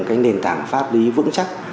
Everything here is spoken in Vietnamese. cái nền tảng pháp lý vững chắc